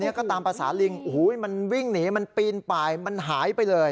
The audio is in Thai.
แล้วก็ตามประสานลิงหูยมันวิ่งหนีมันปีนไปมันหายไปเลย